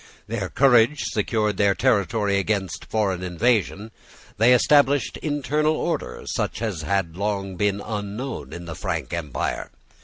Their courage secured their territory against foreign invasion. They established internal order, such as had long been unknown in the Frank empire.